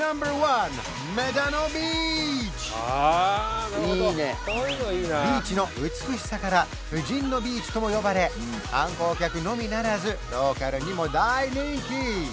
あなるほどビーチの美しさから「婦人のビーチ」とも呼ばれ観光客のみならずローカルにも大人気！